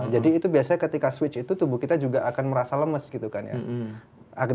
jadi itu biasanya ketika switch itu tubuh kita juga akan merasa lemes gitu kan ya